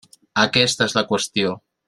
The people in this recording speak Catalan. Aquesta és la qüestió.